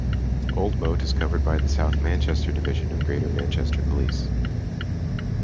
Old Moat is covered by the South Manchester Division of Greater Manchester Police.